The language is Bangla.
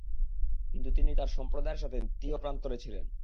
কিন্তু তিনি তাঁর সম্প্রদায়ের সাথে তীহ প্রান্তরে ছিলেন।